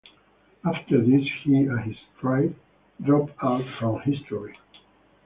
After this, he and his tribe drop out from history.